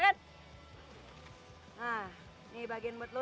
nah ini bagian buat lo